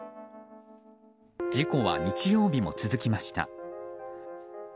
事故は日曜日も続きました。